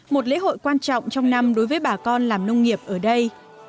một lễ hội quan trọng trong năm đối với bà con làm nông nghiệp ở đây